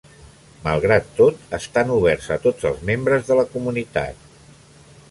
Malgrat tot, estan oberts a tots els membres de la comunitat.